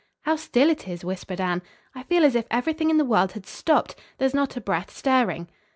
"How still it is," whispered Anne. "I feel as if everything in the world had stopped. There is not a breath stirring."